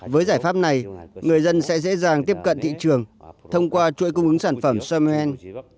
với giải pháp này người dân sẽ dễ dàng tiếp cận thị trường thông qua chuỗi cung ứng sản phẩm somen